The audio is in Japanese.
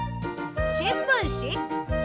しんぶんし？